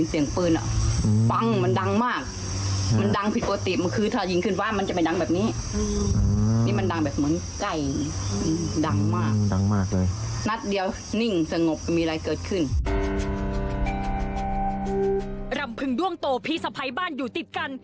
ลำพึงด้วงโตพี่สะพ้ายบ้านอยู่ติดกัน